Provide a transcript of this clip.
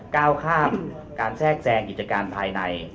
ก้าวข้ามการแทรกแทรงกิจการภายใน